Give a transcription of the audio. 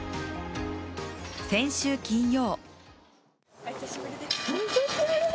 先週金曜。